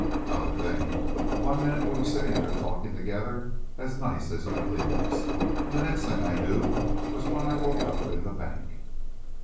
"Not a thing. One minute we were sitting there talking together as nice as you please and the next thing I knew was when I woke up in the bank."